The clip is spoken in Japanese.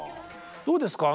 どうですか？